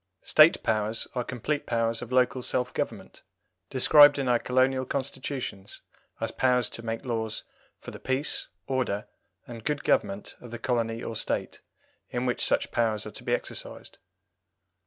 State powers are complete powers of local self government, described in our colonial Constitutions as powers to make laws "for the peace, order, and good government of the Colony or State" in which such powers are to be exercised.